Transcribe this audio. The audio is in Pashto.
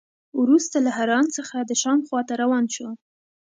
وروسته له حران څخه د شام خوا ته روان شو.